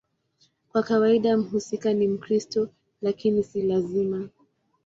Kwa kawaida mhusika ni Mkristo, lakini si lazima.